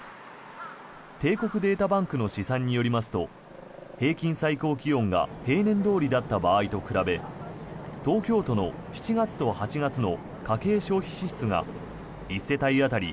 帝国データバンクの試算によりますと平均最高気温が平年どおりだった場合と比べ東京都の７月と８月の家計消費支出が１世帯当たり